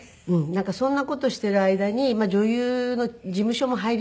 なんかそんな事をしている間に女優の事務所も入りましたんで。